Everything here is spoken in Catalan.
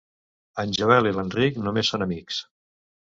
En Joel i l'Enric només són amics.